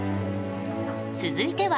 続いては。